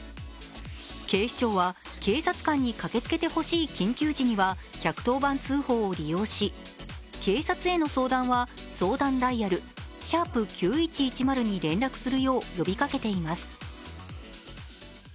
警視庁は警察官に駆けつけてほしい緊急時には１１０番通報を利用し警察への相談は、相談ダイヤル♯９１１０に連絡するよう呼びかけています。